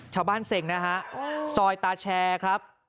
ชาวบ้านเซ็งนะฮะซอยตาแชร์ครับ